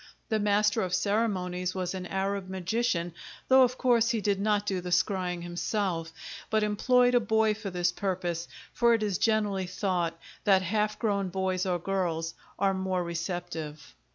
The master of ceremonies was an Arab magician, though, of course, he did not do the scrying himself, but employed a boy for this purpose, for it is generally thought that half grown boys or girls are more receptive.